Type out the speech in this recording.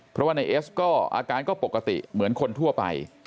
เพราะว่านายเอสก็อาการก็ปกติเหมือนคนทั่วไป